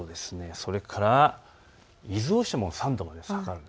それから伊豆大島も３度です。